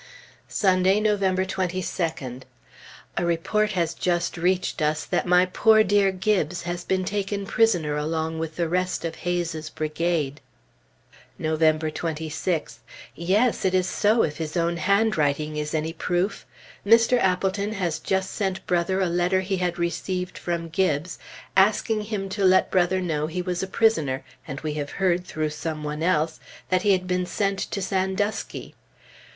Sunday, November 22d. A report has just reached us that my poor dear Gibbes has been taken prisoner along with the rest of Hayes's brigade. November 26th. Yes! It is so, if his own handwriting is any proof. Mr. Appleton has just sent Brother a letter he had received from Gibbes, asking him to let Brother know he was a prisoner, and we have heard, through some one else, that he had been sent to Sandusky.